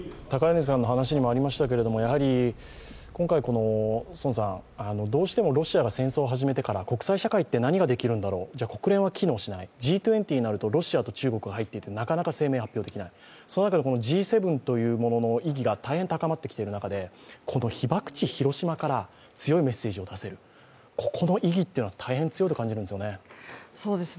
今回、どうしてもロシアが戦争を始めてから国際社会って何ができるんだろう、国連は機能しない、Ｇ２０になるとロシアと中国が入っていて、なかなか声明が発表できないその中でＧ７というものの意義が大変高まっている中で被爆地・広島から強いメッセージを出せる、ここの意義というのは大変強いと感じるんですよね。